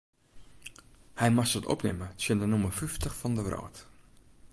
Hy moast it opnimme tsjin de nûmer fyftich fan de wrâld.